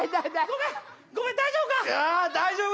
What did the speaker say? ごめんごめん大丈夫か？